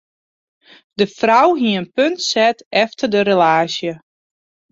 De frou hie in punt set efter de relaasje.